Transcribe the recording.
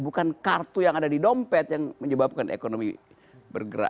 bukan kartu yang ada di dompet yang menyebabkan ekonomi bergerak